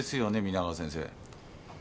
皆川先生。